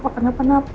aku kan gak apa apa